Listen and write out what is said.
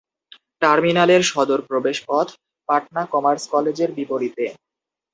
টার্মিনালের সদর প্রবেশপথ পাটনা কমার্স কলেজের বিপরীতে।